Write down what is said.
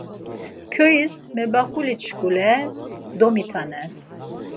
Kyois mebaxolitşkule domitanes.